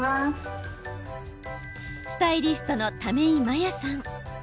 スタイリストの為井真野さん。